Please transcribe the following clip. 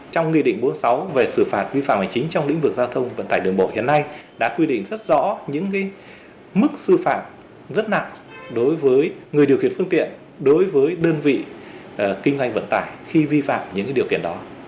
trong nghị định bốn mươi sáu về xử phạt vi phạm hành chính trong lĩnh vực giao thông vận tải đường bộ hiện nay đã quy định rất rõ những mức sư phạm rất nặng đối với người điều khiển phương tiện đối với đơn vị kinh doanh vận tải khi vi phạm những điều kiện đó